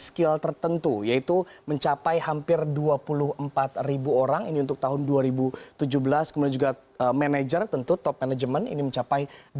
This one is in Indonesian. skill tertentu yaitu mencapai hampir dua puluh empat orang ini untuk tahun dua ribu tujuh belas kemudian juga manajer tentu top management ini mencapai